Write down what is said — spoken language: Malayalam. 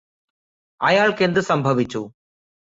അയാള്ക്കെന്ത് സംഭവിച്ചു